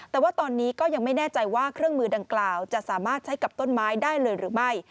แต่ว่าตอนนี้ก็ยังไม่แน่ใจว่าเครื่องมือดังกล่าวจะสามารถใช้กับต้นไม้ได้เลยหรือไม่